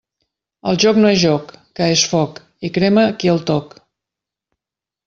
El joc no és joc, que és foc, i crema qui el toc.